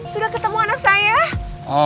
sudah ketemu anak saya